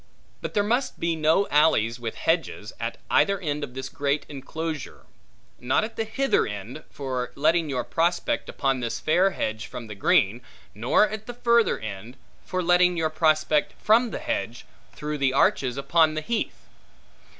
But there must be no alleys with hedges, at either end of this great enclosure; not at the hither end, for letting your prospect upon this fair hedge from the green; nor at the further end, for letting your prospect from the hedge, through the arches upon the heath.